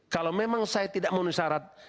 kalau memang saya tidak memenuhi syarat